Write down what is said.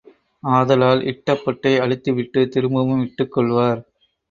ஆதலால் இட்ட பொட்டை அழித்து விட்டுத் திரும்பவும் இட்டுக் கொள்வார்.